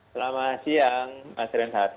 selamat siang mas renhat